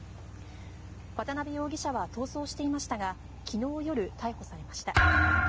渡邊容疑者は逃走していましたが昨日夜、逮捕されました。